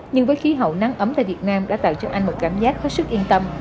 nhưng với khí hậu nắng ấm tại việt nam đã tạo cho anh một cảm giác hết sức yên tâm